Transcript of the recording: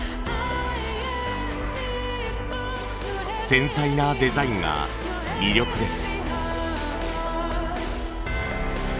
繊細なデザインが魅力です。